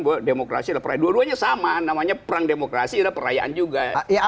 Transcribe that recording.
buat demokrasi adalah proyek kedua duanya sama namanya perang demokrasi dan perayaan juga ya